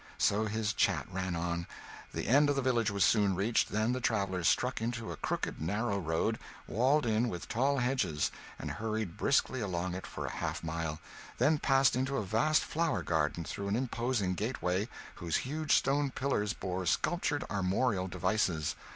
So his chat ran on. The end of the village was soon reached; then the travellers struck into a crooked, narrow road, walled in with tall hedges, and hurried briskly along it for half a mile, then passed into a vast flower garden through an imposing gateway, whose huge stone pillars bore sculptured armorial devices.